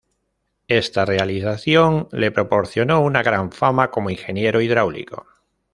Esta realización le proporcionó una gran fama como ingeniero hidráulico.